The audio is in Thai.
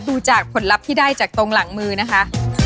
ดูจากผลลัพธ์ที่ได้จากตรงหลังมือนะคะ